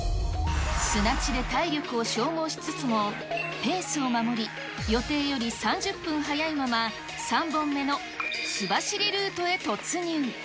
砂地で体力を消耗しつつもペースを守り、予定より３０分早いまま、３本目の須走ルートへ突入。